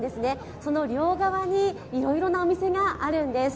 その両側にいろいろなお店があるんです。